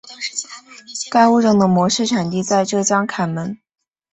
该物种的模式产地在浙江坎门。